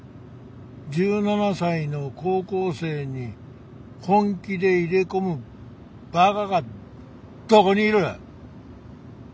１７才の高校生に本気で入れ込むバカがどこにいる！